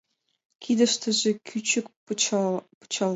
Кидыштыже кӱчык пычал.